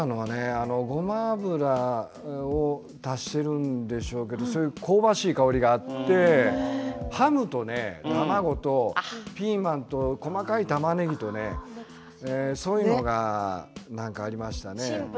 ごま油を足すんでしょうけれど香ばしい香りがあってハムと卵とピーマンと細かいたまねぎとそういったものがありましたね。